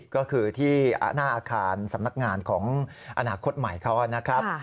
ก็คือที่หน้าอาคารสำนักงานของอนาคตใหม่เขานะครับ